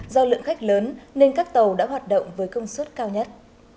do lượng khách lớn nên các tàu đã hoạt động với công suất cao nhất